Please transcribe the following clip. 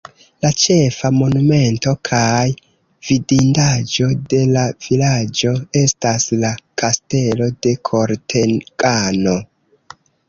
La ĉefa monumento kaj vidindaĵo de la vilaĝo estas la Kastelo de Kortegano.